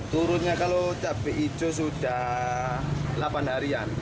turunnya kalau cabai hijau sudah delapan harian